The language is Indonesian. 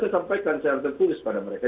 saya sampaikan saya harus tertulis pada mereka